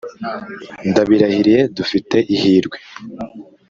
Ndabirahiriye dufite ihirwe